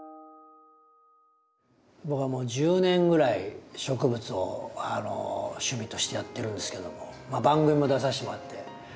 僕はもう１０年ぐらい植物をあの趣味としてやってるんですけどもまあ番組も出させてもらって。